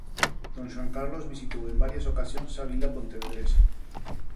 Don Xoán Carlos visitou en varias ocasións a vila pontevedresa.